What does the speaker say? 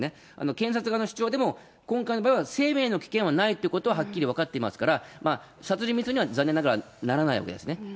検察側の主張でも、今回の場合は生命の危険はないってことははっきり分かっていますから、殺人未遂には、残念ながらならないわけですね。